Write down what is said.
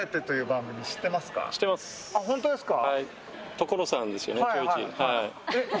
ホントですか！